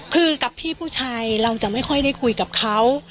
คือกับพี่ผู้ชายเราจะไม่ค่อยได้คุยกับเขา